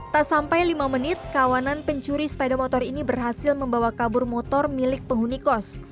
tak sampai lima menit kawanan pencuri sepeda motor ini berhasil membawa kabur motor milik penghuni kos